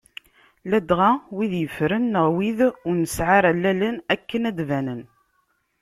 Ladɣa wid yeffren, neɣ wid ur nesɛi ara allalen akken ad d-banen.